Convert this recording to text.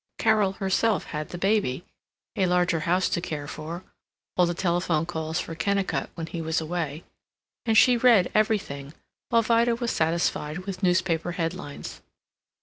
Carol herself had the baby, a larger house to care for, all the telephone calls for Kennicott when he was away; and she read everything, while Vida was satisfied with newspaper headlines.